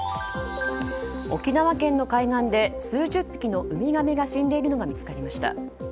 沖縄県の海岸で数十匹のウミガメが死んでいるのが見つかりました。